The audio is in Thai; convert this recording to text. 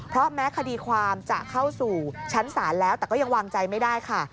เพราะแม้คดีความจะเข้าสู่ชั้นศาลแล้วแต่ก็ยังวางใจไม่ได้ค่ะ